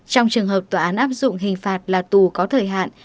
trong trường hợp tòa án áp dụng hình phạt là tù có thời hạn